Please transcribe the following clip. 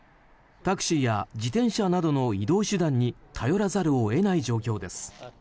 タクシーや自転車などの移動手段に頼らざるを得ない状況です。